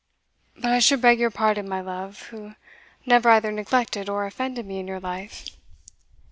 But I should beg your pardon, my love, who never either neglected or offended me in your life."